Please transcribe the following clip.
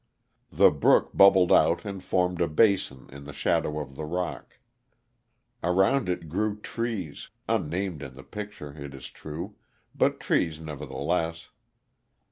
The brook bubbled out and formed a basin in the shadow of the rock. Around it grew trees, unnamed in the picture, it is true, but trees, nevertheless.